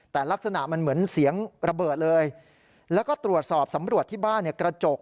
แต่ลักษณะมันเหมือนเสียงระเบิดเลยแล้วก็ตรวจสอบสำรวจที่บ้านเนี่ยกระจก